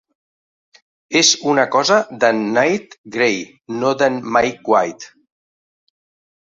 És una cosa d'en Nate Gray, no d'en Mike White.